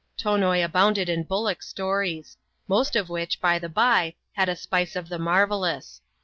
Tonoi abounded in bullock stories ; most of which, by the by, had a spice of the marvellous.